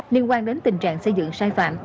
liên quan đến tình trạng xây dựng sai phạm